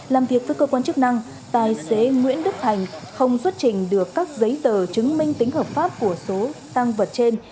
làm việc với cơ quan chức năng tài xế nguyễn đức thành không xuất trình được các giấy tờ chứng minh tính hợp pháp của số tăng vật trên